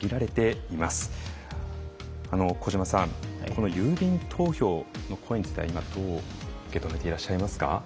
この郵便投票の声については今どう受け止めていらっしゃいますか？